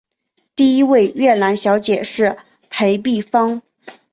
第一位越南小姐是裴碧芳。